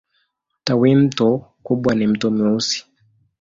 Tawimto kubwa ni Mto Mweusi.